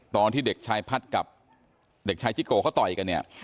ตอนที่เด็กชายพัดกับเด็กชายจิโกเขาต่อยกันเนี่ย